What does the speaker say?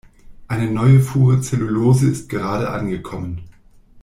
Eine neue Fuhre Zellulose ist gerade angekommen.